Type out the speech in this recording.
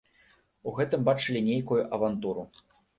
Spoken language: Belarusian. У гэтым бачылі нейкую авантуру.